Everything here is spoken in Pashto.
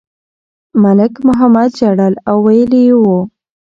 ملک محمد ژړل او ویلي یې وو.